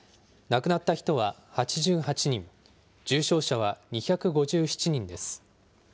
亡くなった人は８８人、重症者は２５７人です。